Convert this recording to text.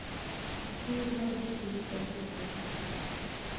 دوی غواړي چې ډېرې پيسې پيدا کړي.